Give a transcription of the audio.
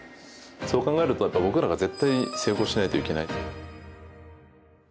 そう考えると、僕らが絶対成功しないといけない。